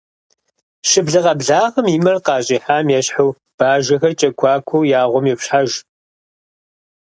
Щыблэ къэблагъэм и мэр къащӏихьам ещхьу, бажэхэр кӏэкуакуэу я гъуэм йопщхьэж.